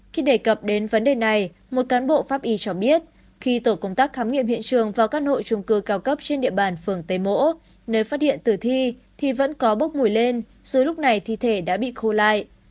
khi đề cập đến vấn đề này một cán bộ pháp y cho biết khi tổ công tác khám nghiệm hiện trường vào căn hộ trung cư cao cấp trên địa bàn phường tây mỗ nơi phát hiện tử thi thì vẫn có bốc mùi lên rồi lúc này thi thể đã bị khô lại